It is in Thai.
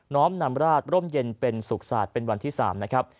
้อมนำราชร่มเย็นเป็นสุขศาสตร์เป็นวันที่๓นะครับ